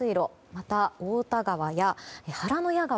また、太田川や原野谷川